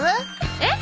えっ！？